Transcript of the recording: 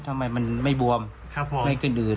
ทำไมจะไม่บวมไม่ขึ้นอื่น